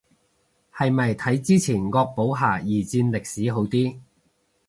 係咪睇之前惡補下二戰歷史好啲